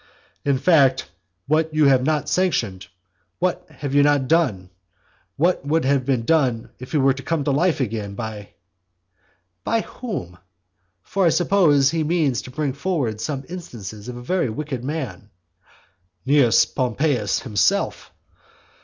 "In fact, what have you not sanctioned, what have you not done? what would be done if he were to come to life again, by? " By whom? For I suppose he means to bring forward some instance of a very wicked man. "Cnaeus Pompeius himself?"